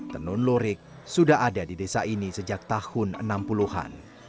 tenun lurik sudah ada di desa ini sejak tahun enam puluh an